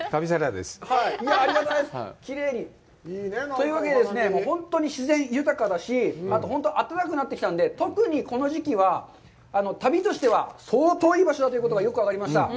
というわけで、本当に自然豊かだし、暖かくなってきたので、特にこの時期は旅としては相当いい場所だということがよく分かりました。